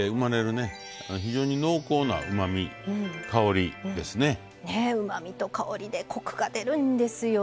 ねっうまみと香りでコクが出るんですよね。